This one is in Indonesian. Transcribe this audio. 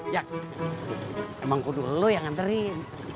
ya emang kudu lo yang nganterin